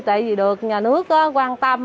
tại vì được nhà nước quan tâm